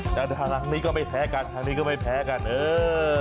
แล้วทางนี้ก็ไม่แพ้กันทางนี้ก็ไม่แพ้กันเออ